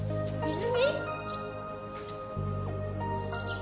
泉！